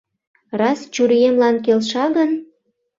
Раз чуриемлан келша гын?